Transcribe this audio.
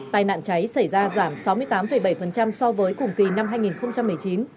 tài nạn cháy xảy ra giảm sáu mươi tám bảy so với cùng kỳ năm hai nghìn một mươi chín